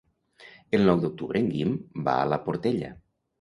El nou d'octubre en Guim va a la Portella.